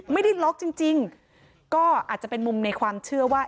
ไม่ได้ล็อกจริงจริงก็อาจจะเป็นมุมในความเชื่อว่า